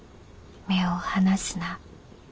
目を離すな。